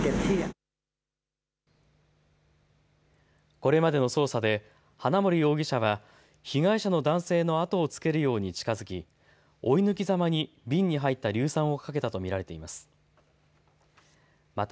これまでの捜査で花森容疑者は被害者の男性の後をつけるように近づき追い抜きざまに瓶に入った硫酸をかけたと見られています。